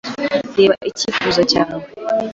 Reba icyifuzo cyanjye.